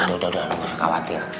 udah udah gak usah khawatir